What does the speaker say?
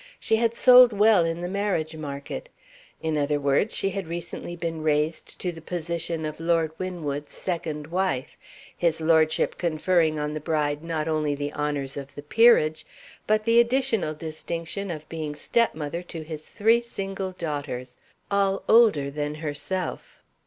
She had sold well in the marriage market. In other words, she had recently been raised to the position of Lord Winwood's second wife; his lordship conferring on the bride not only the honors of the peerage, but the additional distinction of being stepmother to his three single daughters, all older than herself.